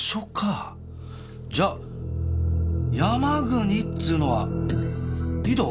じゃあ山国っつうのは緯度？